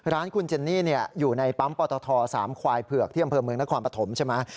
ร้านคุณเจนนี่อยู่ในปั๊มปตท๓ควายเผือกที่อำเภอเมืองนครปฐมใช่ไหม